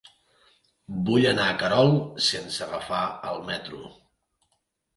Vull anar a Querol sense agafar el metro.